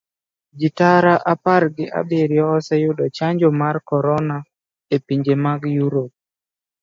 Ji tara apar gi abiriyo oseyudo chanjo mar korona epinje mag europe.